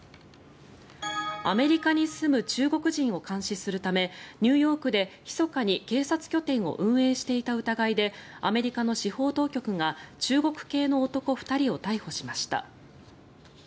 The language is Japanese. アメリカに住む中国人を監視するためニューヨークでひそかに警察拠点を運営していた疑いでアメリカの司法当局が中国系の男２人を逮捕しました。